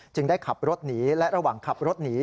ได้ขับรถหนีและระหว่างขับรถหนี